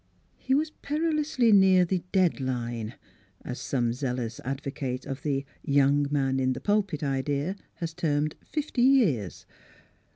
He was per ilously near the " dead line," as some zealous advocate of the young man in the pulpit idea has termed fifty years.